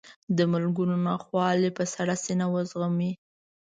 د ملګرو ناخوالې په سړه سینه وزغمي.